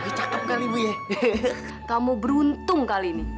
karena saya mendengar bisikan dari suami saya